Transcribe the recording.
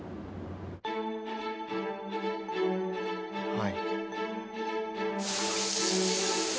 はい。